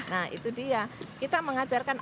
nah itu dia kita mengajarkan